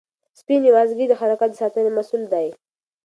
سپینې وازګې د حرکاتو د ساتنې مسؤل دي.